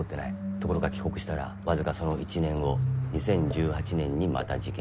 ところが帰国したら僅かその１年後２０１８年にまた事件。